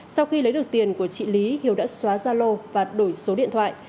sau khi lấy được tiền của chị lý hiếu đã xóa zalo và đổi số điện thoại